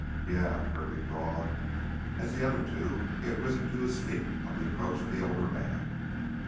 "Yeah," Kirby drawled. As the other two, he had risen to his feet on the approach of the older man.